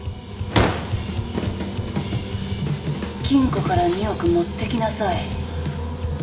金庫から２億持ってきなさい。